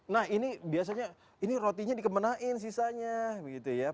nah ini biasanya ini rotinya dikemenain sisanya